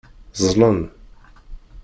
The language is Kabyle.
Ẓẓlen.